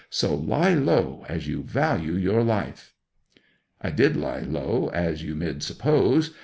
So lie low, as you value your life!" 'I did lie low, as you mid suppose.